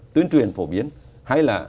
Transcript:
tuyên truyền phổ biến hay là